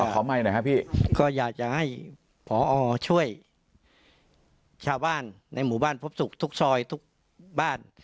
เพราะว่าจะปอช่วยชาวบ้านทุกซอยทุกบ้าน